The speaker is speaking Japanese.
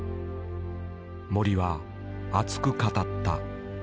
森は熱く語った。